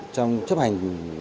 trong chấp hành